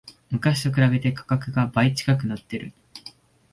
昔と比べて価格が倍近くなってる